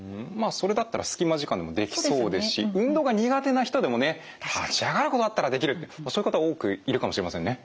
それだったら隙間時間でもできそうですし運動が苦手な人でもね立ち上がることだったらできるってそういう方多くいるかもしれませんね。